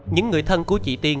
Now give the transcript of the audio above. những người thân của chị tiên